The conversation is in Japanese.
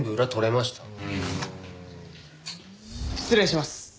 失礼します。